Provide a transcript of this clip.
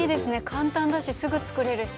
簡単だし、すぐ作れるし。